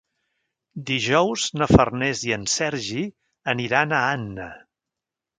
Dijous na Farners i en Sergi aniran a Anna.